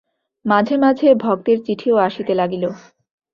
মাঝে মাঝে ভক্তের চিঠিও আসিতে লাগিল।